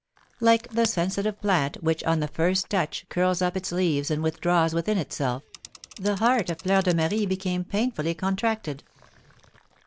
Like the sensitive plant, which, on the first touch, curls up its leaves and withdraws within itself, the heart of Fleur de Marie became painfully contracted.